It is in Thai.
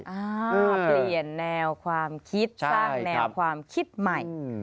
อ่าเปลี่ยนแนวความคิดสร้างแนวความคิดใหม่